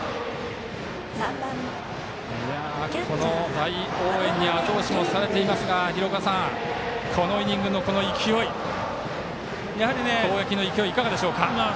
大応援にあと押しもされていますが廣岡さん、このイニングの攻撃の勢いいかがでしょうか。